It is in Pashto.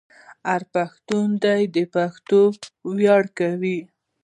هر پښتون دې د پښتو ویاړ وکړي.